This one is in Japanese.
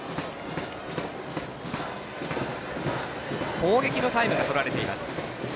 攻撃のタイムがとられています。